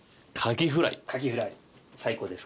カキフライ最高です。